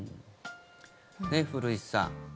ね、古市さん。